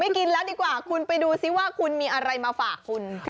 กินแล้วดีกว่าคุณไปดูซิว่าคุณมีอะไรมาฝากคุณ